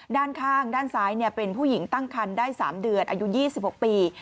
ด้านข้างด้านซ้ายเป็นผู้หญิงตั้งคันได้๓เดือนอายุ๒๖ปี